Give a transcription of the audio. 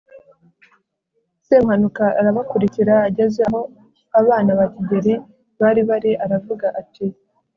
semuhanuka arabakurikira ageza aho abana ba kigeli bari bari aravuga ati